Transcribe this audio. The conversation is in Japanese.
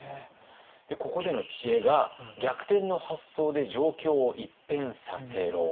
ここでの知恵が「逆転の発想で状況を一変させろ！」。